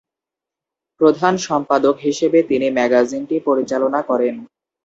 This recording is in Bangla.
প্রধান সম্পাদক হিসেবে তিনি ম্যাগাজিনটি পরিচালনা করেন।